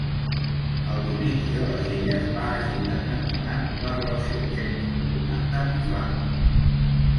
El domini de les illes va agitar en endavant les relacions entre Holanda i Flandes.